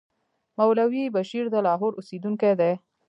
مولوي بشیر د لاهور اوسېدونکی دی.